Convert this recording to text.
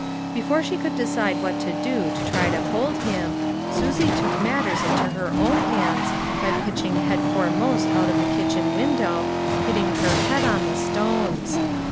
Before she could decide what to do to try to hold him, Susie took matters into her own hands by pitching head foremost out of the kitchen window, hitting her head on the stones.